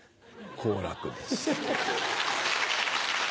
好楽です。